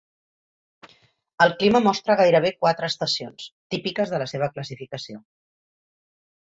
El clima mostra gairebé quatre estacions, típiques de la seva classificació.